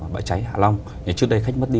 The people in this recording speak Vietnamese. bãi cháy hạ long trước đây khách mất đi